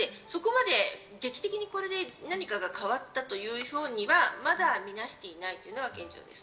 劇的にこれで何かが変わったというようにはまだみなしていないというのが現状です。